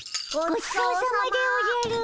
ごちそうさまでおじゃる。